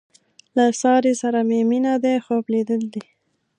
له سارې سره مې مینه دې خوب لیدل دي.